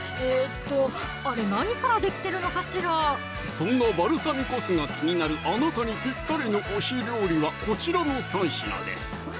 そんなバルサミコ酢が気になるあなたにぴったりの推し料理はこちらの３品です